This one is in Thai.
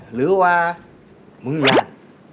หรือว่ามึงอยาก